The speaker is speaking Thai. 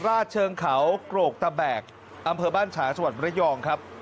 สินมหาราชเชิงเขาโกรกตะแบกอำเภอบ้านฉาสวรรค์บริยองครับ